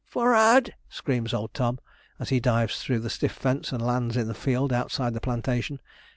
'F o o r rard!' screams old Tom, as he dives through the stiff fence and lands in the field outside the plantation.